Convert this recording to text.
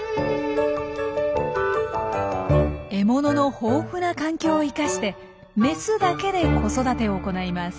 獲物の豊富な環境を生かしてメスだけで子育てを行います。